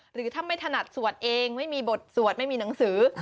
หรือถ้าไม่ถนัดสวดเองไม่มีบทสวดไม่มีหนังสือ